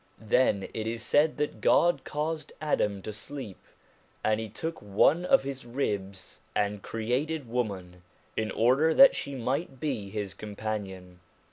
Then it is said that God caused Adam to sleep, and He took one of his ribs and created woman, in order that she might be his companion.